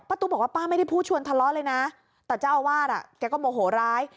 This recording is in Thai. ตุ๊กบอกว่าป้าไม่ได้พูดชวนทะเลาะเลยนะแต่เจ้าอาวาสอ่ะแกก็โมโหร้าย